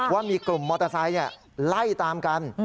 ว่ามีกลุ่มมอเตอร์ไซค์ไล่ตามกัน